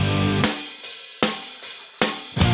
มันอยู่ที่หัวใจ